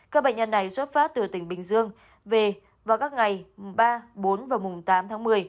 các bệnh nhân này xuất phát từ tỉnh bình dương về vào các ngày ba bốn và mùng tám tháng một mươi